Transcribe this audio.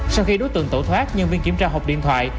sau khi đối tượng tẩu thoát nhân viên kiểm tra hộp điện thoại